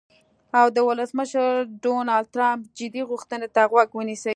او د ولسمشر ډونالډ ټرمپ "جدي غوښتنې" ته غوږ ونیسي.